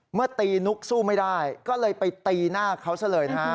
เมื่อตีนุ๊กสู้ไม่ได้ก็เลยไปตีหน้าเขาซะเลยนะฮะ